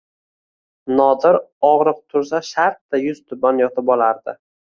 Nodir og‘riq tursa shartta yuztuban yotib olardi